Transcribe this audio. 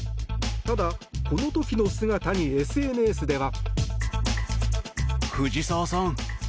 ただ、この時の姿にＳＮＳでは。